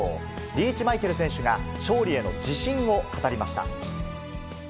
リーチマイケル選手が、勝利への自信を語りました。